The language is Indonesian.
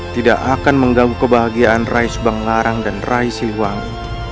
tidak akan menggabung kebahagiaan rai subanglarang dan rai siliwangi